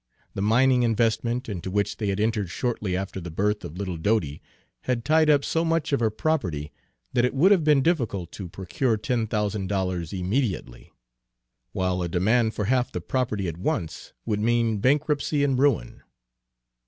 The mining investment into which they had entered shortly after the birth of little Dodie had tied up so much of her property that it would have been difficult to procure ten thousand dollars immediately; while a demand for half the property at once would mean bankruptcy and ruin.